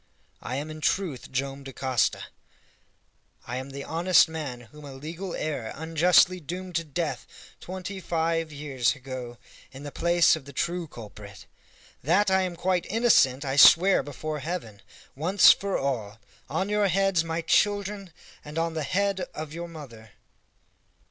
I am in truth Joam Dacosta! I am the honest man whom a legal error unjustly doomed to death twenty five years ago in the place of the true culprit! That I am quite innocent I swear before Heaven, once for all, on your heads, my children, and on the head of your mother!"